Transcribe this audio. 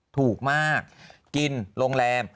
ถูกมากกินโรงแรม